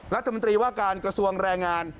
รัฐมนตรีว่าการกระทรวงแรงงาน